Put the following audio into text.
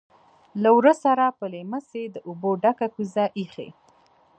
لهٔ ورهٔ سره پر لیمڅي د اوبو ډکه کوزه ایښې.